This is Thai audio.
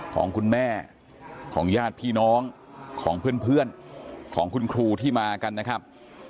ของคุณแม่ของญาติพี่น้องของเพื่อนของคุณครูที่มากันนะครับ